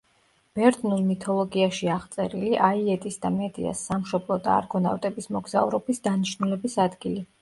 ბერძნულ მითოლოგიაში აღწერილი, აიეტის და მედეას სამშობლო და არგონავტების მოგზაურობის დანიშნულების ადგილი.